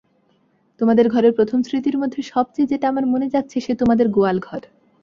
তোমাদের ঘরের প্রথম স্মৃতির মধ্যে সব চেয়ে যেটা আমার মনে জাগছে সে তোমাদের গোয়ালঘর।